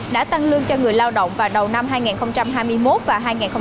đã tăng lương cho người lao động vào đầu năm hai nghìn hai mươi một và hai nghìn hai mươi bốn